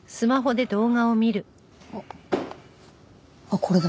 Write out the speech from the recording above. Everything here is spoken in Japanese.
あっあっこれだ。